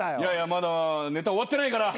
まだネタ終わってないから。